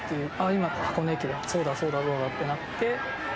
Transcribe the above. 今、箱根駅伝だ、そうだ、そうだってなって。